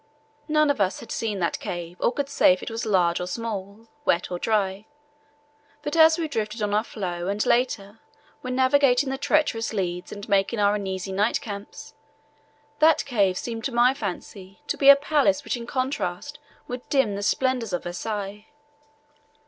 None of us had seen that cave or could say if it was large or small, wet or dry; but as we drifted on our floe and later, when navigating the treacherous leads and making our uneasy night camps, that cave seemed to my fancy to be a palace which in contrast would dim the splendours of Versailles.